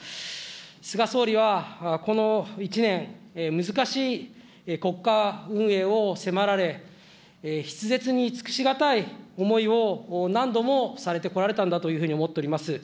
菅総理はこの１年、難しい国家運営を迫られ、筆舌に尽くしがたい思いを何度もされてこられたんだというふうに思っております。